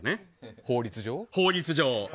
法律上。